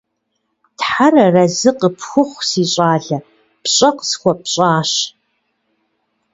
Тхьэр арэзы къыпхухъу, си щӀалэ, пщӀэ къысхуэпщӀащ.